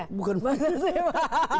kita akan lanjutkan